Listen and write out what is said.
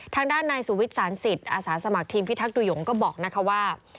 ทางด้านนายสุวิทย์สารสิทธิ์อาสาสมัครทีมพิทักษ์ดุหยงก็บอกนะคะว่า